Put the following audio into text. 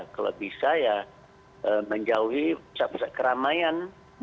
kalau bisa ya menjauhi pusat pusat keramaian